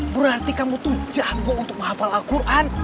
berarti kamu tuh jago untuk menghafal al quran